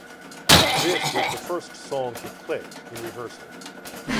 This was the first song to click in rehearsal.